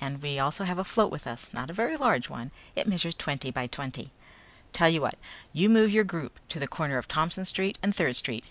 And we also have a float with us. Not a very large one. It measures twenty by twenty." "Tell you what. You move your group to the corner of Thompson Street and Third Street.